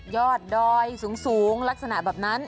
ยอดดอยสูงลักษณะแบบนั้น